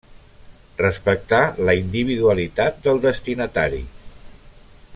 Respectar la individualitat del destinatari.